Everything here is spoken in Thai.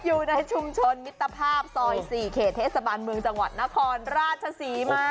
อยู่ในชุมชนมิตรภาพซอย๔เขตเทศบาลเมืองจังหวัดนครราชศรีมา